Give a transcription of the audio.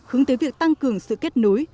hướng tới việc tăng cường sự kết nối